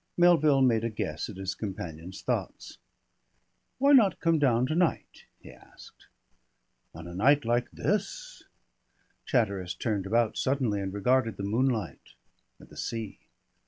Melville made a guess at his companion's thoughts. "Why not come down to night?" he asked. "On a night like this!" Chatteris turned about suddenly and regarded the moonlight and the sea.